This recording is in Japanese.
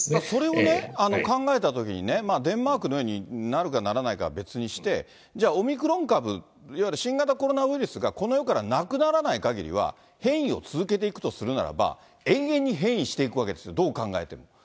それを考えたときに、デンマークのようになるか、ならないかは別にして、じゃあ、オミクロン株、いわゆる新型コロナウイルスがこの世からなくならないかぎりは、変異を続けていくとするならば、永遠に変異していくわけです、どう考えても。